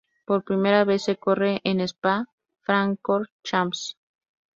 Por primera vez se corre en Spa-Francorchamps.